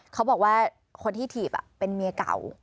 เขาบอกว่าคนที่ถีบเป็นเมียเก่า